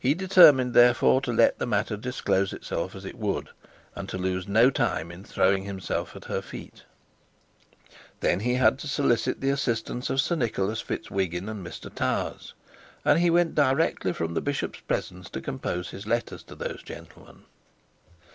He determined therefore to let that matter disclose itself as it would, and to lose no time in throwing himself at her feet. Then he had to solicit the assistance of Sir Nicholas Fitzwhiggin and Mr Towers, and he went directly from the bishop's presence to compose his letters to those gentlemen.